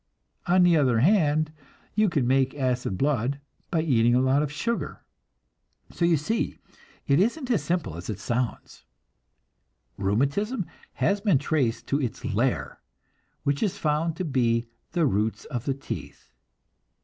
On the other hand, you can make acid blood by eating a lot of sugar! So you see it isn't as simple as it sounds. Rheumatism has been traced to its lair, which is found to be the roots of the teeth.